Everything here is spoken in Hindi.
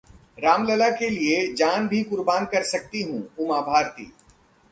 रामलला के लिए जान भी कुर्बान कर सकती हूं: उमा भारती